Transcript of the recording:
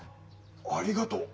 ありがとう。